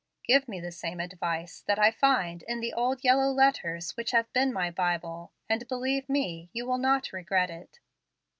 Give me the same advice that I find in the old yellow letters which have been my Bible, and, believe me, you will not regret it."